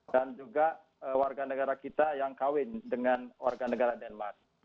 dan juga warga negara kita yang kawin dengan warga negara denmark